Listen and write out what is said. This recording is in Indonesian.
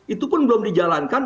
itu pun belum dijalankan